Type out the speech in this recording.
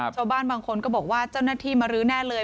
ชาวบ้านบางคนก็บอกว่าเจ้าหน้าที่มารื้อแน่เลย